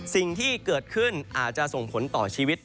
สิ่งที่เกิดขึ้นอาจจะส่งผลต่อชีวิต